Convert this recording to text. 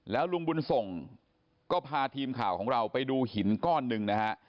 แล้วลุงบุญส่งก็พาทีมข่าวของเราไปดูหินก้อนหนึ่งนะฮะ